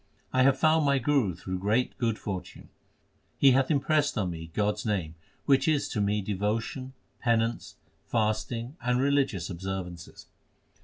I have found my Guru through great good fortune. He hath impressed on me God s name, Which is to me devotion, penance, fasting, and religious observances.